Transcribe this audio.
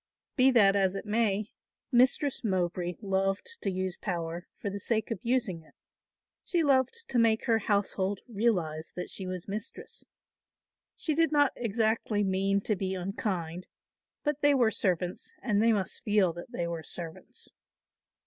Be that as it may, Mistress Mowbray loved to use power for the sake of using it; she loved to make her household realise that she was mistress. She did not exactly mean to be unkind, but they were servants and they must feel that they were servants.